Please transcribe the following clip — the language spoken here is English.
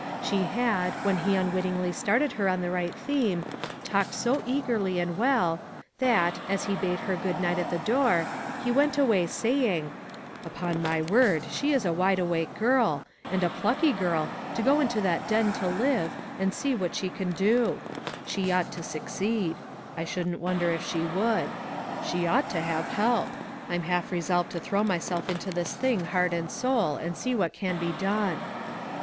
She had, when he un wittingly started her on the right theme, talked so eagerly and well, that, as he bade her good night at the door, he went away, saying :" Upon my word, she is a wide awake girl ; and a plucky girl, to go into that den to live, and see what she can do. She 348 ONE COMMONPLACE DAY. ought to succeed. I shouldn't wonder if she would. She ought to have help. I'm half resolved to throw myself into this thing heart and soul, and see what can be done."